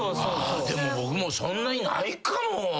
僕もそんなにないかも。